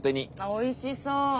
おいしそう！